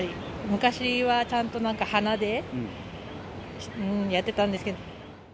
昔はちゃんと鼻でやってたんですけど。